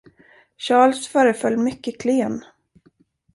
Charles föreföll mycket klen.